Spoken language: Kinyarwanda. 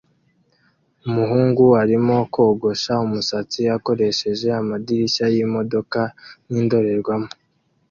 Umuhungu arimo kogosha umusatsi akoresheje amadirishya yimodoka nkindorerwamo